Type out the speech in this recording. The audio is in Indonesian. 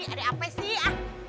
dari apa sih ah